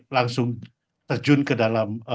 langsung terjun ke dalam